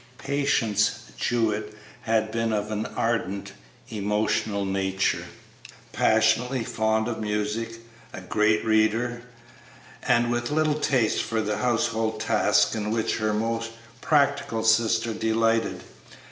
Patience Jewett had been of an ardent, emotional nature, passionately fond of music, a great reader, and with little taste for the household tasks in which her more practical sister delighted.